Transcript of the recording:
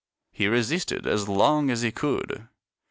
He resisted as long as he could.